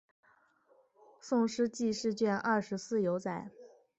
宋诗纪事卷二十四有载。